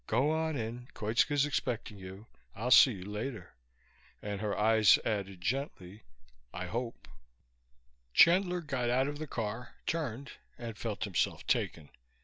Go on in; Koitska's expecting you. I'll see you later." And her eyes added gently: I hope. Chandler got out of the car, turned ... and felt himself taken.